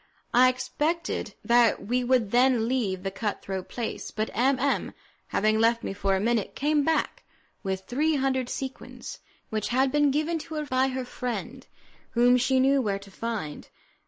I expected that we would then leave that cutthroat place, but M M , having left me for a minute, came back with three hundred sequins which had been given to her by her friend, whom she knew where to find.